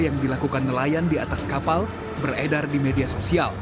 yang dilakukan nelayan di atas kapal beredar di media sosial